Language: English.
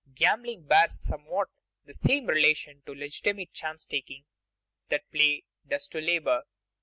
Gambling bears somewhat the same relation to legitimate chance taking that play does to labor.